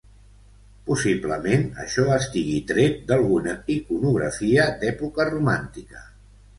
Possiblement això estigui tret d'alguna iconografia d'època romàntica.